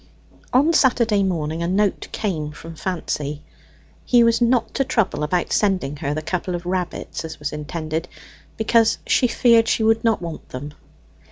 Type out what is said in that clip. On Saturday morning a note came from Fancy. He was not to trouble about sending her the couple of rabbits, as was intended, because she feared she should not want them.